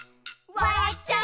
「わらっちゃう」